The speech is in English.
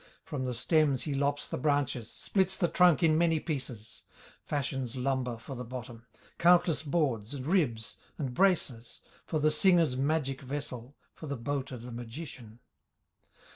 From the stems he lops the branches, Splits the trunk in many pieces, Fashions lumber for the bottom, Countless boards, and ribs, and braces, For the singer's magic vessel, For the boat of the magician.